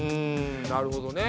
なるほどね。